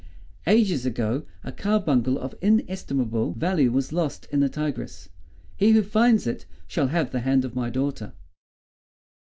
Ages ago a carbuncle of inestimable value was lost in the Tigris; he who finds it shall have the hand of my daughter."